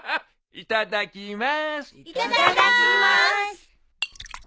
いただきます。